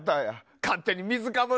勝手に水かぶる！